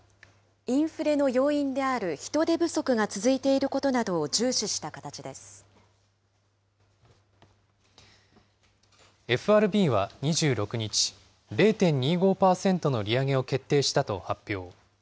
インフレの要因である人手不足が続いていることなどを重視しＦＲＢは２６日、０．２５％の利上げを決定したと発表。